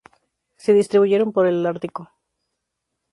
Se distribuyen por el holártico.